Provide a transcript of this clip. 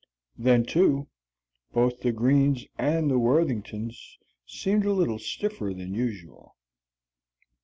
Then, too, both the Greens and the Worthingtons seemed a little stiffer than usual.